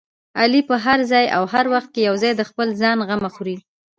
علي په هر ځای او هر وخت کې یوازې د خپل ځان غمه خوري.